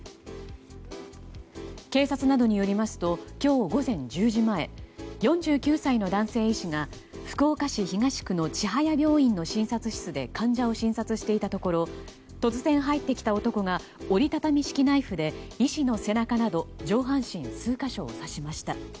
警察などによりますと今日午前１０時前４９歳の男性医師が福岡市東区の千早病院の診察室で患者を診察していたところ突然、入ってきた男が折り畳み式ナイフで医師の背中など上半身数か所を刺しました。